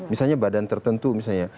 misalnya badan tertentu misalnya